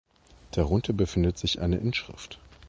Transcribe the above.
Darunter befindet sich eine Inschrift.